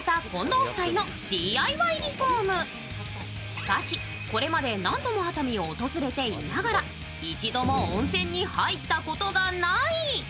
しかし、これまでも何度も熱海を訪れていながら一度も温泉に入ったことがない。